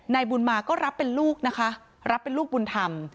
นายบุญมาก็รับเป็นลูกนะคะรับเป็นลูกบุญธรรม